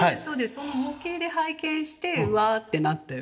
その模型で拝見してうわあってなって。